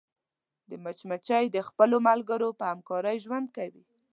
مچمچۍ د خپلو ملګرو په همکارۍ ژوند کوي